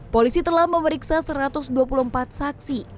polisi telah memeriksa satu ratus dua puluh empat saksi